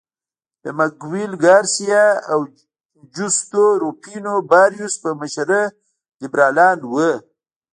د مګویل ګارسیا او جوستو روفینو باریوس په مشرۍ لیبرالان وو.